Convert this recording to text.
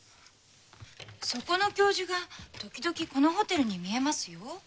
そこの教授がときどきこのホテルに見えますよ。